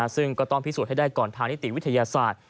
ซึ่งก็ต้องพิสูจน์ให้ได้ก่อนทางนิติวิทยาศาสตร์